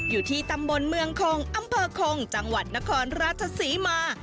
อยู่ที่ตำบลเมืองคงอำเภอคงจังหวัดนครราชศรีมา